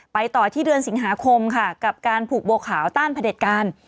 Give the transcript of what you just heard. ไปต่อที่เดือนสิงหาคมค่ะกับการผูกโบข่าวต้านผลิตการ